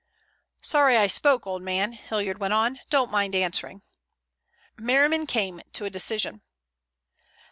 "Sorry I spoke, old man," Hilliard went on. "Don't mind answering." Merriman came to a decision.